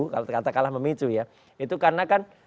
kalau kata kalah memicu ya itu karena kan